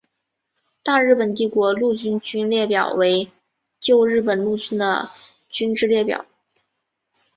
大日本帝国陆军军列表为旧日本陆军的军之列表。